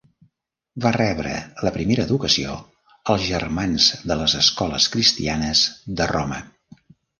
Va rebre la primera educació als germans de les Escoles Cristianes de Roma.